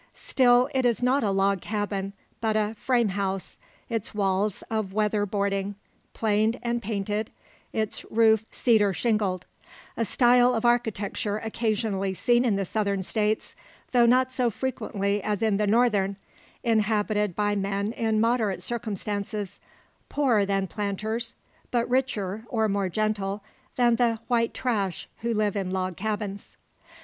Still it is not a log cabin; but a "frame house," its walls of "weather boarding," planed and painted, its roof cedar shingled; a style of architecture occasionally seen in the Southern States, though not so frequently as in the Northern inhabited by men in moderate circumstances, poorer than planters, but richer, or more gentle, than the "white trash," who live in log cabins.